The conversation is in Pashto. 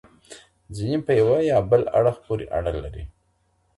ځيني په يوه يا بل اړخ پوري اړه لري